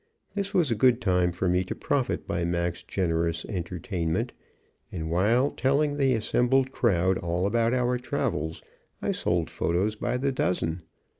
This was a good time for me to profit by Mac's generous entertainment, and while telling the assembled crowd all about our travels, I sold photos by the dozen.